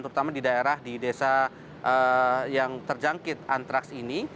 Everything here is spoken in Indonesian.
terutama di daerah di desa yang terjangkit antraks ini